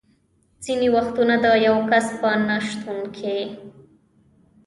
ځینې وختونه د یو کس په نه شتون کې.